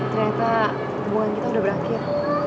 ternyata hubungan kita sudah berakhir